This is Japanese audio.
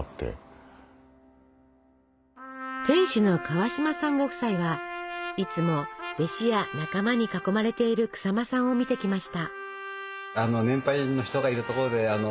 店主の川島さんご夫妻はいつも弟子や仲間に囲まれている日馬さんを見てきました。